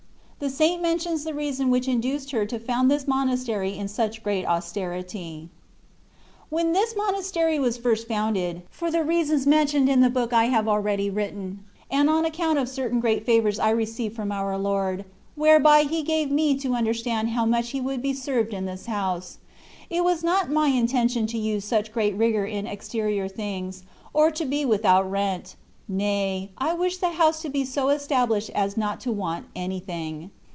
THB SAINT MENTIONS THE REASON WHICH INDUCED HIB TO FOUND THIS MONASTEBT IN SUCH OBBAT AUSTERITY. When this monastery was first founded, for the reasons mentioned in the book* I have akeady written, and on account of certain great favours I received from our Lord, whereby He gave me to understand how much He would be served in this house, it was not my intention to use such great rigour in exterior things, or to be without rent : nay, I wished the house to be so established as not to want anything.